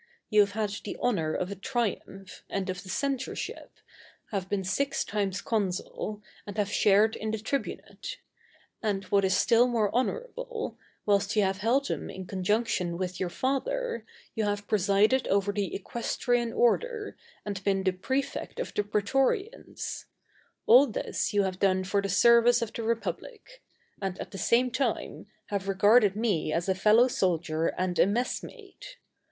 You have had the honor of a triumph, and of the censorship, have been six times consul, and have shared in the tribunate; and, what is still more honorable, whilst you have held them in conjunction with your Father, you have presided over the Equestrian order, and been the Prefect of the Prætorians: all this you have done for the service of the Republic, and, at the same time, have regarded me as a fellow soldier and a messmate.